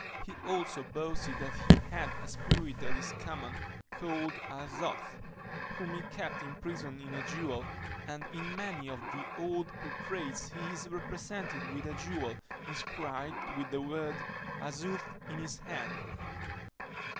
He also boasted that he had a spirit at his command, called "Azoth," whom he kept imprisoned in a jewel; and in many of the old portraits he is represented with a jewel, inscribed with the word "Azoth, in his hand."